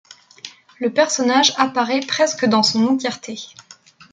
Le personnage apparaît presque dans son entièreté.